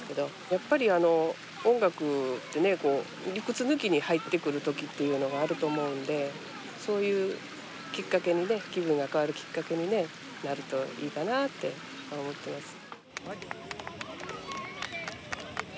やっぱり音楽ってね理屈抜きに入ってくる時っていうのがあると思うんでそういうきっかけにね気分が変わるきっかけにねなるといいかなって思ってます。